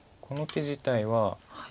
この手自体は。